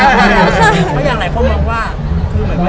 มีหลายคนบอกว่า